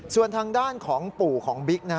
ส่วนทางด้านของปู่ของบิ๊ก